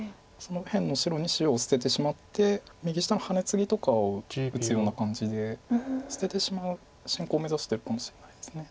右辺の白２子を捨ててしまって右下のハネツギとかを打つような感じで捨ててしまう進行を目指してるかもしれないです。